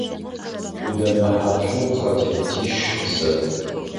Ӏудэнэ хьаплъэу пхъэтетищ къысэт.